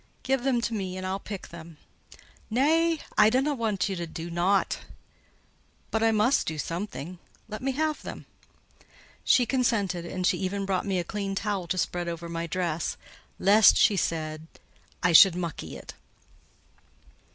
"Give them to me and I'll pick them." "Nay; I dunnut want ye to do nought." "But I must do something. Let me have them." She consented; and she even brought me a clean towel to spread over my dress, "lest," as she said, "I should mucky it."